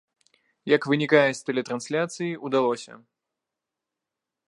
Як вынікае з тэлетрансляцыі, удалося!